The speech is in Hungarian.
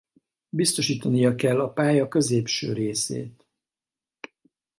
Biztosítania kell a pálya középső részét.